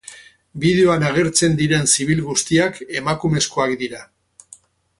Bideoan agertzen diren zibil guztiak emakumezkoak dira.